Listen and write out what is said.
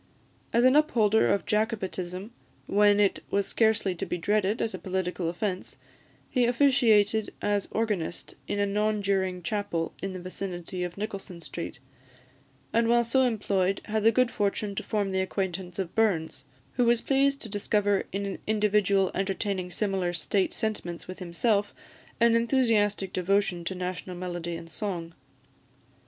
As an upholder of Jacobitism, when it was scarcely to be dreaded as a political offence, he officiated as organist in a non juring chapel in the vicinity of Nicolson Street; and while so employed had the good fortune to form the acquaintance of Burns, who was pleased to discover in an individual entertaining similar state sentiments with himself, an enthusiastic devotion to national melody and song.